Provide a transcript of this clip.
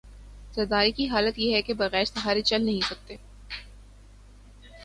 زرداری کی حالت یہ ہے کہ بغیر سہارے چل نہیں سکتے۔